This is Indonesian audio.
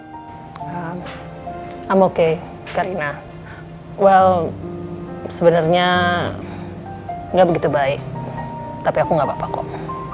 i'm okay karina well sebenernya gak begitu baik tapi aku gak apa apa kok